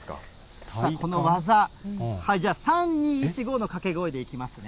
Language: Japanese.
さあ、この技、３、２、１、ゴーの掛け声でいきますね。